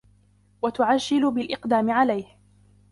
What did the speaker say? وَتُعَجِّلُ بِالْإِقْدَامِ عَلَيْهِ